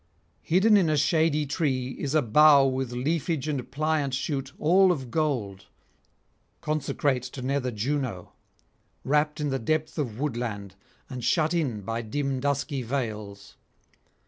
Hidden in a shady tree is a bough with leafage and pliant shoot all of gold, consecrate to nether Juno, wrapped in the depth of woodland and shut in by dim dusky vales.